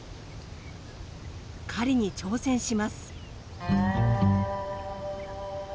狩りに挑戦します。